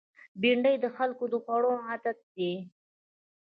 بېنډۍ د خلکو د خوړو عادت دی